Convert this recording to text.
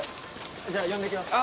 じゃあ呼んで来ます。